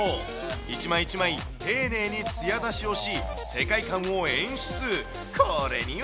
一枚一枚、丁寧につや出しをし、世界観を演出。